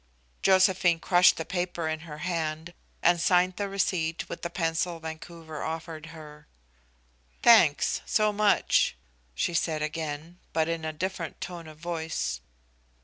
Josephine crushed the paper in her hand and signed the receipt with the pencil Vancouver offered her. "Thanks, so much," she said again, but in a different tone of voice.